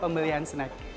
pembelian snack di bioskop